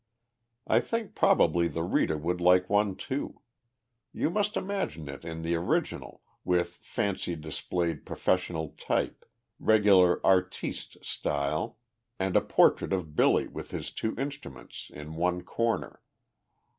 I think probably the reader would like one, too. You must imagine it in the original, with fancy displayed professional type, regular "artiste" style, and a portrait of Billy, with his two instruments, in one corner.